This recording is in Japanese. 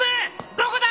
どこだ！？